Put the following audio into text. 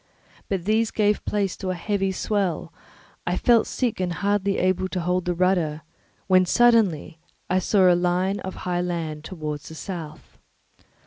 But these gave place to a heavy swell; I felt sick and hardly able to hold the rudder, when suddenly I saw a line of high land towards the south.